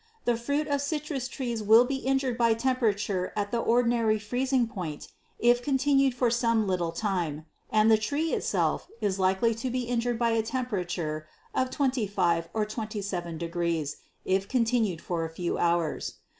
The fruit of citrus trees will be injured by temperature at the ordinary freezing point if continued for some little time, and the tree itself is likely to be injured by a temperature of 25 or 27° if continued for a few hours.